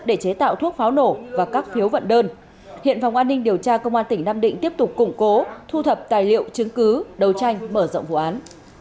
để chế tạo thuốc pháo nổ và các phiếu vận đơn hiện phòng an ninh điều tra công an tỉnh nam định tiếp tục củng cố thu thập tài liệu chứng cứ đầu tranh mở rộng vụ án